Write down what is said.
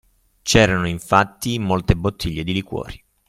C'erano, infatti, molte bottiglie di liquori.